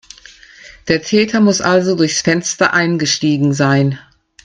Der Täter muss also durchs Fenster eingestiegen sein.